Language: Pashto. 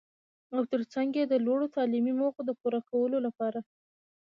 او تر څنګ يې د لوړو تعليمي موخو د پوره کولو لپاره.